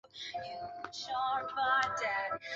清朝宗室。